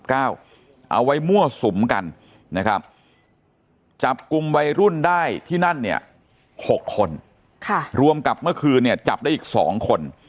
เอาไว้มั่วสุมกันนะครับจับกลุ่มวัยรุ่นได้ที่นั่นเนี่ย๖คนรวมกับเมื่อคืนเนี่ยจับได้อีก๒คน